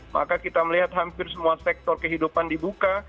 maka kita melihat hampir semua sektor kehidupan dibuka